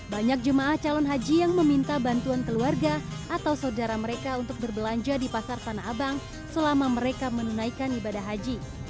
banyak jemaah calon haji yang meminta bantuan keluarga atau saudara mereka untuk berbelanja di pasar tanah abang selama mereka menunaikan ibadah haji